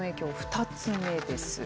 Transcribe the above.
２つ目です。